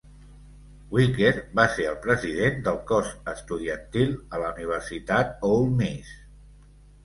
Wicker va ser el president del cos estudiantil a la universitat Ole Miss.